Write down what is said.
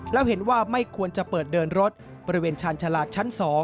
แล้วเห็นว่าไม่ควรจะเปิดเดินรถบริเวณชาญฉลาดชั้น๒